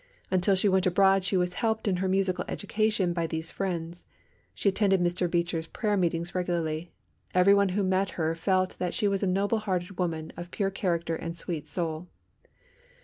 Until she went abroad she was helped in her musical education by these friends. She attended Mr. Beecher's prayer meetings regularly. Everyone who met her felt that she was a noble hearted woman of pure character and sweet soul.